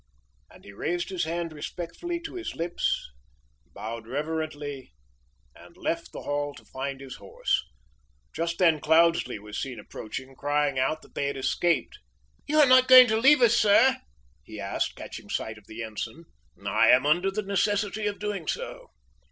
And he raised her hand respectfully to his lips, bowed reverently, and left the hall to find his horse. Just then Cloudesley was seen approaching, crying out that they had escaped. "You are not going to leave us, sir?" he asked Cloudesley, catching sight of the ensign. "I am under the necessity of doing so."